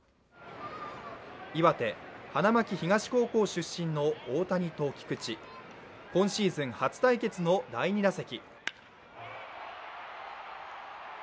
岩手・花巻東高校出身の大谷と菊池今シーズン、初対決の第２打席。